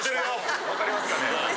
わかりますかね。